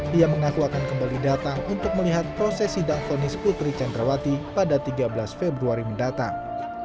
dia mengaku akan kembali datang untuk melihat proses sidang fonis putri candrawati pada tiga belas februari mendatang